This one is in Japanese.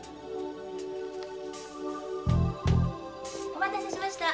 お待たせしました。